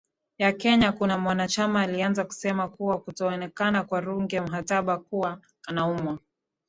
ya Kenya kuna mwanachama alianza kusema kuwa kutoonekana kwa Ruge Mutahaba kuwa anaumwa